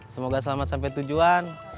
semoga selamat sampai tujuan